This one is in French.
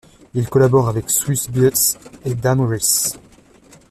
Il collabore avec Swizz Beatz et Dame Grease.